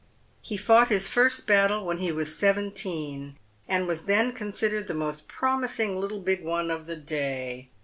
He fought his 'first battle when he was seventeen, and was then considered the most promising little big one of the day.